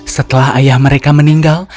setelah ayah mereka meninggal